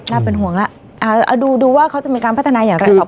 น่าเป็นห่วงแล้วดูว่าเขาจะมีการพัฒนาอย่างไรต่อไป